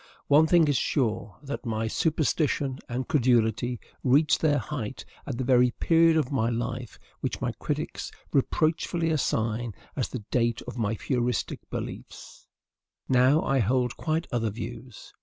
One thing is sure, that my superstition and credulity reached their height at the very period of my life which my critics reproachfully assign as the date of my Fourieristic beliefs. Now I hold quite other views.